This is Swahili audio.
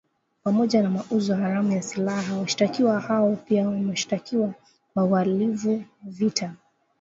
Pamoja na mauzo haramu ya silaha, washtakiwa hao pia wanashtakiwa kwa uhalivu wa vita .